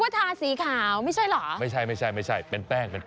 คุณชนะลองทำไมนึกว่าทาสีขาวไม่ใช่เหรอไม่ใช่เป็นแป้ง